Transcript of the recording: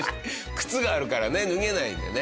靴があるから脱げないんだよね。